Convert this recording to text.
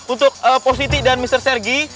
untuk positi dan mr sergi